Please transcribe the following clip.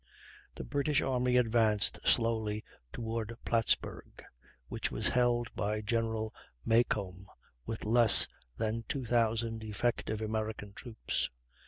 The British army advanced slowly toward Plattsburg, which was held by General Macomb with less than 2,000 effective American troops.